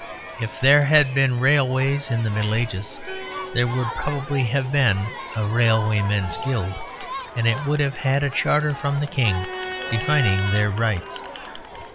If there had been railways in the Middle Ages there would probably have been a railwaymen's guild; and it would have had a charter from the King, defining their rights.